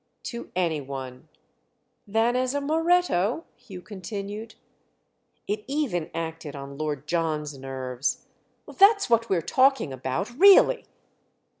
"To any one." "Than as a Moretto?" Hugh continued. It even acted on Lord John's nerves. "That's what we're talking about—really!"